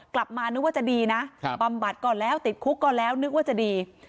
กลับมานึกว่าจะดีนะบำบัดก่อนแล้วติดคุกก่อนแล้วนึกว่าจะดี